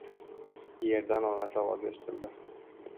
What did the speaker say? Yerdan onasi ovozi eshitildi: